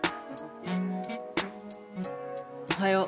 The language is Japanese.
おはよう。